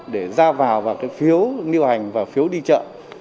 để ra vào vào cái phiếu liêu hành và phiếu đi chợ